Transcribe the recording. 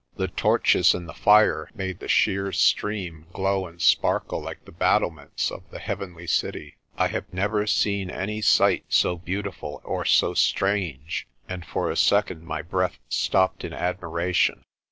The torches and the fire made the sheer stream glow and sparkle like the battle ments of the Heavenly City. I have never seen any sight so beautiful or so strange and for a second my breath stopped in admiration.